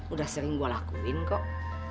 udah sering gue lakuin kok